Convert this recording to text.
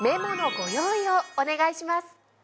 お願いします。